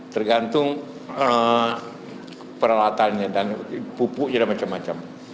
tergantung peralatannya dan pupuknya dan macam macam